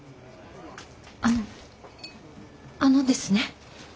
あのあのですね。